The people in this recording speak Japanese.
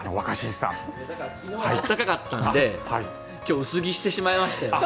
昨日は暖かかったので今日、薄着してしまいましたよ。